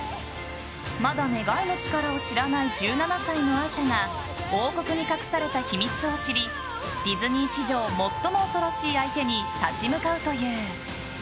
まだ願いの力を知らない１７歳のアーシャが王国に隠された秘密を知りディズニー史上最も恐ろしい相手に立ち向かうという。